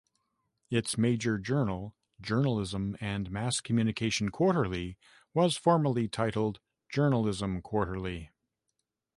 Its major journal, "Journalism and Mass Communication Quarterly" was formerly titled "Journalism Quarterly.